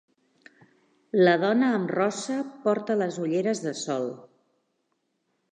La dona amb rossa porta les ulleres de sol.